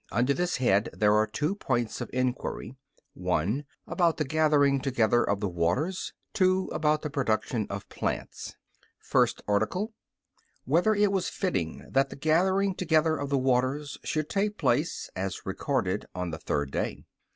Under this head there are two points of inquiry: (1) About the gathering together of the waters. (2) About the production of plants. _______________________ FIRST ARTICLE [I, Q. 69, Art. 1] Whether It Was Fitting That the Gathering Together of the Waters Should Take Place, As Recorded, on the Third Day?